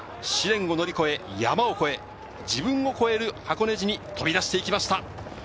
試練を乗り越え、山を越え、自分を越える箱根路に飛び出していきました。